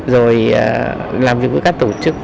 rồi làm việc với các tổ chức